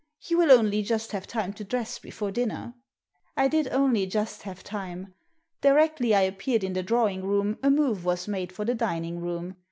You will only just have time to dress before dinner." I did only just have time. Directly I appeared in the drawing room a move was made for iJie dining room.